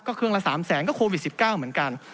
เครื่องละ๓แสนก็โควิด๑๙เหมือนกัน